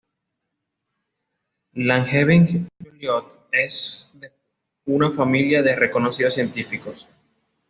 Langevin-Joliot es de una familia de reconocidos científicos.